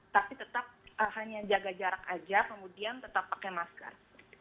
tapi tetap hanya jaga jarak aja kemudian tetap pakai masker